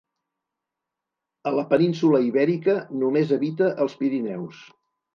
A la península Ibèrica només habita els Pirineus.